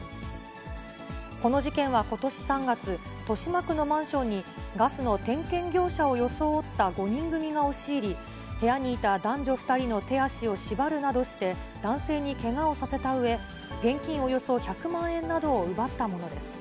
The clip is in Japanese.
この事件はことし３月、豊島区のマンションにガスの点検業者を装った５人組が押し入り、部屋にいた男女２人の手足を縛るなどして、男性にけがをさせたうえ、現金およそ１００万円などを奪ったものです。